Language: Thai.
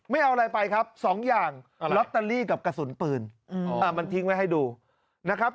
ไม่เอาอะไรไปครับสองอย่างลอตเตอรี่กับกระสุนปืนมันทิ้งไว้ให้ดูนะครับ